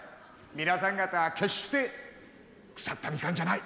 皆さん方は決して腐ったみかんじゃない。